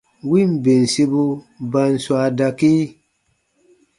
Win bensibu ba n swaa dakii.